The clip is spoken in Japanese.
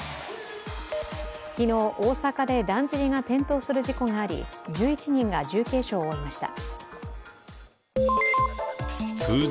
昨日、大阪でだんじりが転倒する事故があり１１人が重軽傷を負いました。